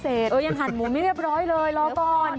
ยังหั่นหมูไม่เรียบร้อยเลยรอก่อน